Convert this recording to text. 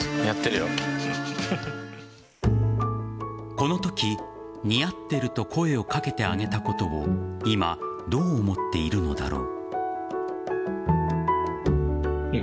このとき似合ってると声をかけてあげたことを今、どう思っているのだろう。